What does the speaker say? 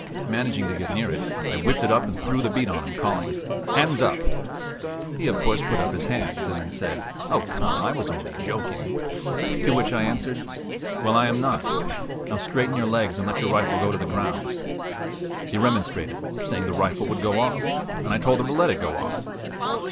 Managing to get near it, I whipped it up and threw the bead on him, calling, "Hands up!" He of course put up his hands, and then said, "Oh, come, I was only joking"; to which I answered, "Well, I am not. Now straighten your legs and let your rifle go to the ground." He remonstrated, saying the rifle would go off, and I told him to let it go off.